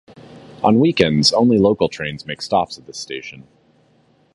On weekends, only local trains make stops at this station.